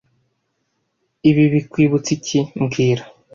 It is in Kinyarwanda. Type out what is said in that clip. Ibi bikwibutsa iki mbwira